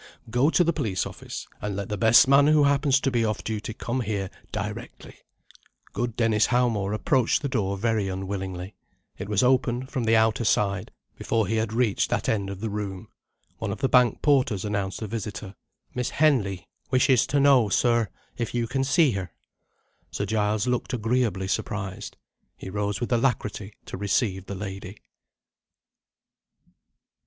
Go to the police office, and let the best man who happens to be off duty come here directly." Good Dennis Howmore approached the door very unwillingly. It was opened, from the outer side, before he had reached that end of the room. One of the bank porters announced a visitor. "Miss Henley wishes to know, sir, if you can see her." Sir Giles looked agreeably surprised. He rose with alacrity to receive the lady.